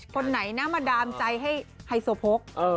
คนหนักมาดรามใจให้ไฮโซภกเออ